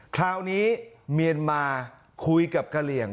คราวนี้เมียนมาคุยกับกะเหลี่ยง